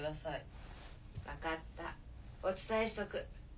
・分かったお伝えしとく。